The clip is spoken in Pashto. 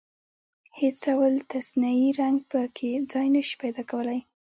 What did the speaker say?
هېڅ ډول تصنعي رنګ په کې ځای نشي پيدا کولای.